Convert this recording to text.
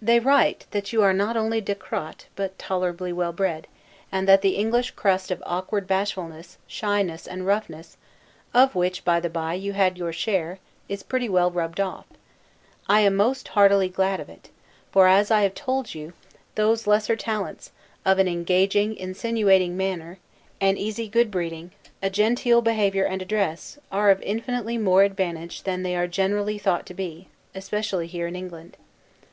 They write, that you are not only 'decrotte,' but tolerably well bred; and that the English crust of awkward bashfulness, shyness, and roughness (of which, by the bye, you had your share) is pretty well rubbed off. I am most heartily glad of it; for, as I have often told you, those lesser talents, of an engaging, insinuating manner, an easy good breeding, a genteel behavior and address, are of infinitely more advantage than they are generally thought to be, especially here in England.